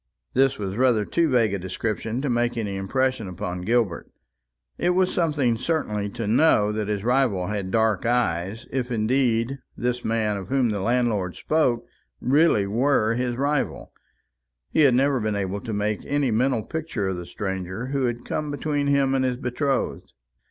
This was rather too vague a description to make any impression upon Gilbert. It was something certainly to know that his rival had dark eyes, if indeed this man of whom the landlord spoke really were his rival. He had never been able to make any mental picture of the stranger who had come between him and his betrothed.